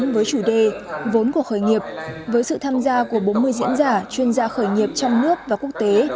hai nghìn một mươi tám với chủ đề vốn của khởi nghiệp với sự tham gia của bốn mươi diễn giả chuyên gia khởi nghiệp trong nước và quốc tế